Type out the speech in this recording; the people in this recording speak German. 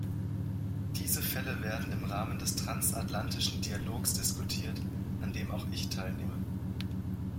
Diese Fälle werden im Rahmen des transatlantischen Dialogs diskutiert, an dem auch ich teilnehme.